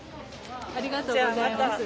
ありがとうございます。